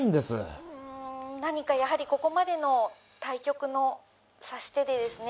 「うん何かやはりここまでの対局の指し手でですね